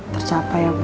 tercapai ya bu